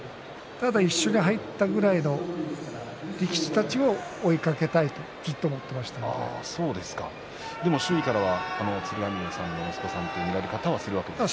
ただ一緒に入ったぐらいの力士たちは追いかけたいとでも周囲からは鶴ヶ嶺さんの息子さんという見られ方をするわけですよね。